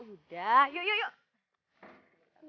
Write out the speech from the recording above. udah yuk yuk yuk